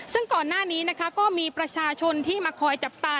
ซึ่งก่อนหน้านี้นะคะก็มีประชาชนที่มาคอยจับตา